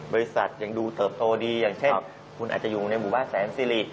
บริษัทยังดูเติบโตดีอย่างเช่นคุณอาจจะอยู่ในหมู่บ้านแสนสิริ